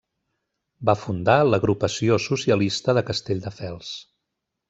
Va fundar l'Agrupació socialista de Castelldefels.